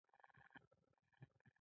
لېندۍ کې شپه اوږده وي.